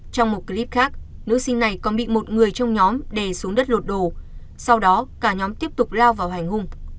trong một clip khác nữ sinh này còn bị một người trong nhóm đè xuống đất lột đồ sau đó cả nhóm tiếp tục lao vào hành hung